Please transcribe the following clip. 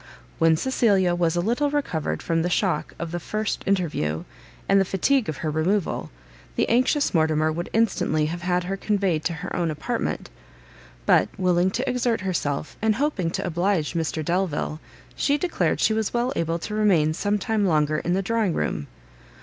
When Cecilia was a little recovered from the shock of the first interview, and the fatigue of her removal, the anxious Mortimer would instantly have had her conveyed to her own apartment; but, willing to exert herself, and hoping to oblige Mr Delvile, she declared she was well able to remain some time longer in the drawing room.